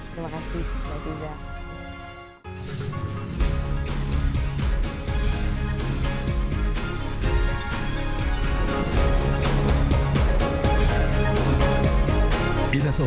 terima kasih mbak tiza